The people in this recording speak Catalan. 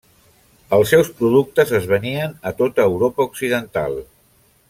Els seus productes es venien a tota Europa Occidental.